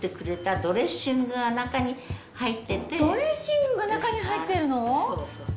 ドレッシングが中に入ってるの？